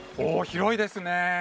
広いですね。